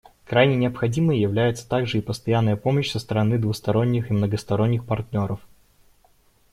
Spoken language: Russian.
Крайне необходимой является также и постоянная помощь со стороны двусторонних и многосторонних партнеров.